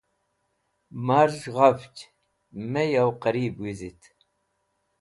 Marz̃h ghafch, my yo qarẽb wizit.